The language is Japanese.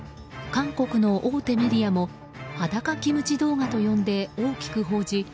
韓国の大手メディアも裸キムチ動画と呼んで大きく報じ